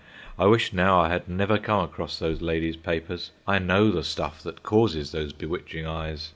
I wish now I had never come across those ladies' papers. I know the stuff that causes those bewitching eyes.